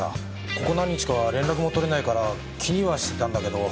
ここ何日かは連絡も取れないから気にはしてたんだけど。